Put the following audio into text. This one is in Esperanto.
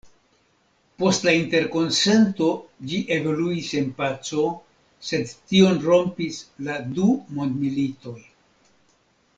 Post la Interkonsento ĝi evoluis en paco, sed tion rompis la du mondmilitoj.